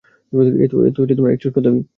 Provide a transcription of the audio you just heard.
এতো এক ছোট্ট বেবী।